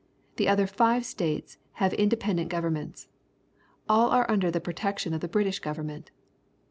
The other five states have inde pendent governments. All are under the protection of the British government.